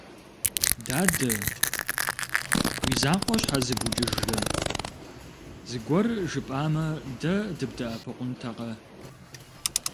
Дадэ, уи закъуэ щхьэ зыбукӀыжрэ, зыгуэр жыпӀамэ, дэ дыбдэӀэпыкъунтэкъэ?